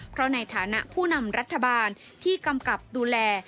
เพราะในฐานะผู้นำรัฐบาลที่กำกับดูแล